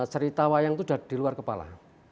cerita wayang itu sudah di luar kepala